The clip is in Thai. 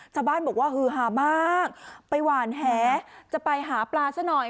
ชาวบ้านบอกว่าฮือหามากไปหวานแหจะไปหาปลาซะหน่อย